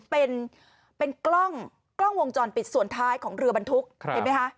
เป็นกล้องวงจรปิดส่วนท้ายของเรือบรรทุกเห็นไหมคะ